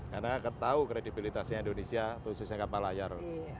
karena ketahu kredibilitasnya indonesia khususnya kapal layar